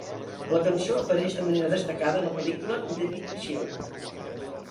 La cançó apareix de manera destacada a la pel·lícula "The Big Chill".